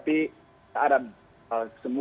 tidak tidak yang saya tahu